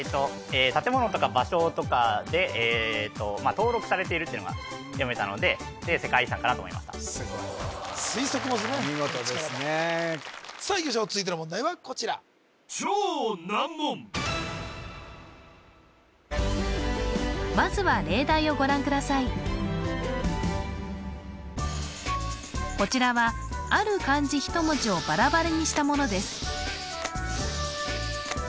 建物とか場所とかで登録されているっていうのが読めたので世界遺産かなと思いました推測もすごいなお見事ですねさあいきましょう続いての問題はこちらまずはこちらはある漢字一文字をバラバラにしたものです